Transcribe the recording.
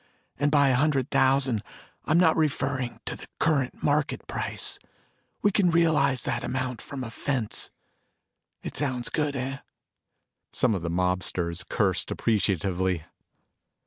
And by a hundred thousand, I am not referring to the current market price. We can realize that amount from a fence. It sounds good, eh?" Some of the mobsters cursed appreciatively.